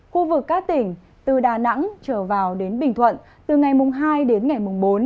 khu vực các tỉnh từ đà nẵng trở vào đến bình thuận từ ngày mùng hai đến ngày mùng bốn